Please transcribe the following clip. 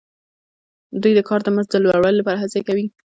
دوی د کار د مزد د لوړوالي لپاره هڅې کوي